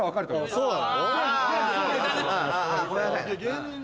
そうなの？